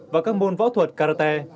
và các môn võ thuật karate